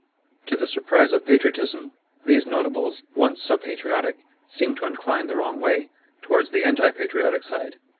To the surprise of Patriotism, these Notables, once so patriotic, seem to incline the wrong way; towards the anti patriotic side.